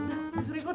enggak disuruh ikut